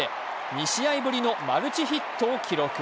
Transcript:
２試合ぶりのマルチヒットを記録。